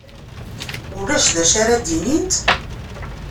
Ulac d acu ara d-inint?